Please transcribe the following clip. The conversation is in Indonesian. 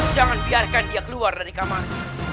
jangan biarkan dia keluar dari kamarnya